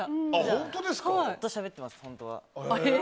本当はずっとしゃべってます。